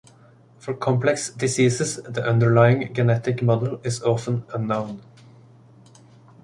For complex diseases, the underlying genetic model is often unknown.